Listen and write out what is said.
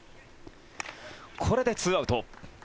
これで２アウト。